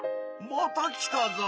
また来たぞ！